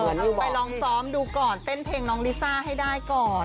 ไปลองซ้อมดูก่อนเต้นเพลงน้องลิซ่าให้ได้ก่อน